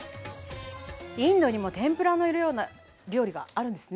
インドにも天ぷらのような料理があるんですね。